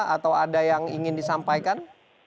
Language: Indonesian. atau ada yang ingin disampaikan